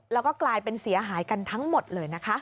แล้วก็กลายเป็นเสียหายกันทั้งหมดเลยนะคะ